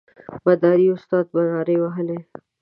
مداري استاد به نارې وهلې.